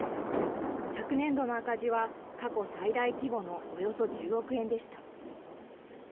昨年度の赤字は過去最大規模のおよそ１０億円でした。